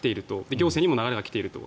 行政にも流れが来ていると。